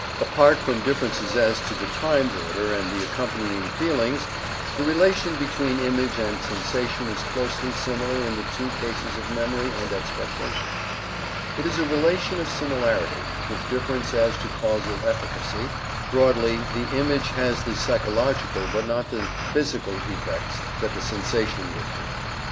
Apart from differences as to the time order and the accompanying feelings, the relation between image and sensation is closely similar in the two cases of memory and expectation; it is a relation of similarity, with difference as to causal efficacy broadly, the image has the psychological but not the physical effects that the sensation would have.